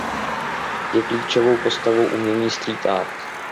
Je klíčovou postavou umění Street art.